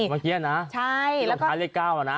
เมื่อกี้นะลองท้ายเลข๙อ่ะนะใช่แล้วก็